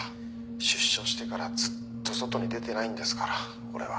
「出所してからずっと外に出てないんですから俺は」